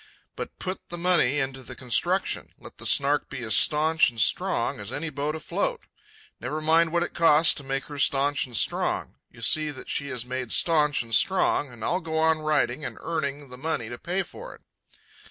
But put the money into the construction. Let the Snark be as staunch and strong as any boat afloat. Never mind what it costs to make her staunch and strong; you see that she is made staunch and strong, and I'll go on writing and earning the money to pay for it."